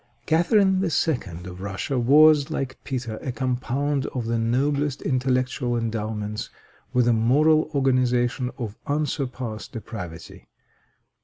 Catharine II. of Russia was, like Peter, a compound of the noblest intellectual endowments, with a moral organization of unsurpassed depravity.